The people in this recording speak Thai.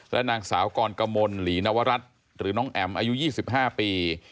และนางสาวกรกมลหลีนวรัฐหรือน้องแอ๋มอายุ๒๕ปี